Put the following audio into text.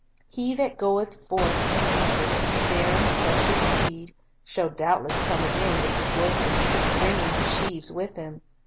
"He that goeth forth and weepeth, bearing precious seed, shall doubtless come again with rejoicing, bringing his sheaves with him."